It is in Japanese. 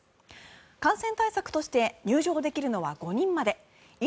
感染対策として入場できるのは５人まで。